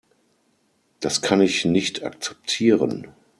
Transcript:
Das kann ich nicht akzeptieren!